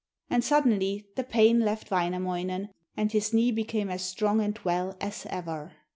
And suddenly the pain left Wainamoinen and his knee became as strong and well as ever.